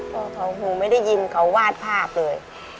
พอเขาหูไม่ได้ยินเขาวาดภาพเลย